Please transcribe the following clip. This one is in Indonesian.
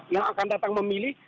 yang akan datang memilih